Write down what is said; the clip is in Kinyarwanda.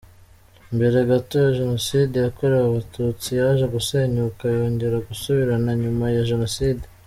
Mbere gato ya Jenoside yakorewe Abatutsi yaje gusenyuka yongera gusubirana nyuma ya Jenoside.